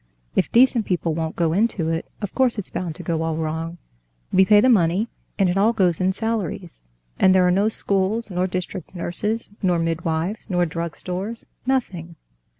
If decent people won't go into it, of course it's bound to go all wrong. We pay the money, and it all goes in salaries, and there are no schools, nor district nurses, nor midwives, nor drugstores—nothing."